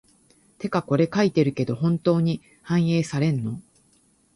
てかこれ書いてるけど、本当に反映されんの？